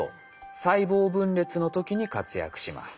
細胞分裂の時に活躍します。